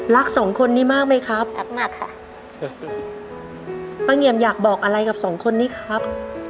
สองคนนี้มากไหมครับแอปหนักค่ะป้าเงี่ยมอยากบอกอะไรกับสองคนนี้ครับ